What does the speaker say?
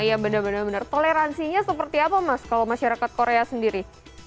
iya benar benar toleransinya seperti apa mas kalau masyarakat korea sendiri